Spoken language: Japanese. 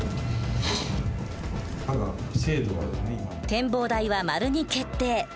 展望台は丸に決定。